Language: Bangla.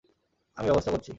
আমি ব্যবস্থা করছি।